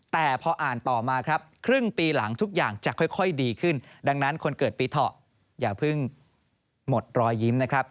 แต่พออ่านต่อมาครับครึ่งปีหลังทุกอย่างจะค่อยดีขึ้นดังนั้นคนเกิดปีเถาะอย่าเพิ่งหมดรอยยิ้มนะครับ